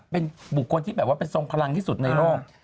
เป็นบุคคลที่แบบว่าเป็นทรงพลังที่สุดในโลก